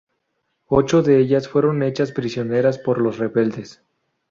Ocho de ellas fueron hechas prisioneras por los rebeldes.